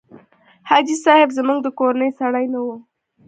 حاجي صاحب زموږ د کورنۍ سړی نه و.